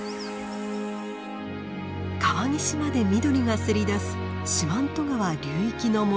川岸まで緑がせり出す四万十川流域の森。